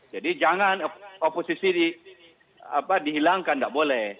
jadi jangan oposisi dihilangkan enggak boleh